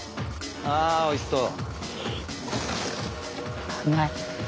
ああおいしそう。